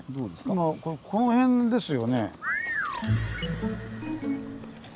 今この辺ですよね。